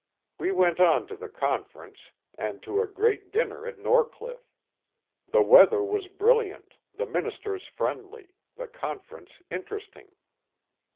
We went on to the conference, and to a grand dinner at Norcliffe. The weather was brilliant, the ministers friendly, the conference interesting.